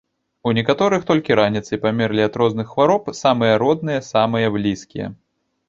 У некаторых толькі раніцай памерлі ад розных хвароб самыя родныя, самыя блізкія.